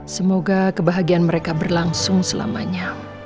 semoga kebahagiaan mereka berlangsung selamanya